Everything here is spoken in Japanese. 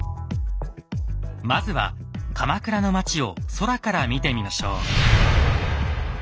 まずは鎌倉の町を空から見てみましょう。